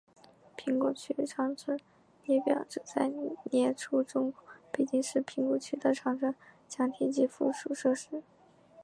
平谷区长城列表旨在列出中国北京市平谷区的长城墙体及附属设施。